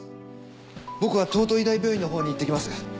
僕は東都医大病院のほうに行ってきます。